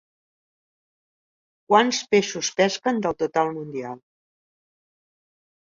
Quants peixos pesquen del total mundial?